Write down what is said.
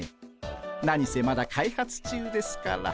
何せまだ開発中ですから。